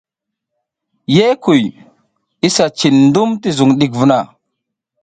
Ye kuy, kisa cin dum ti zung ɗik vuna.